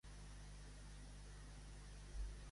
Va anar a alguns Jocs Olímpics?